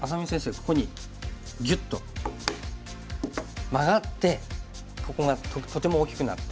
ここにギュッとマガってここがとても大きくなって。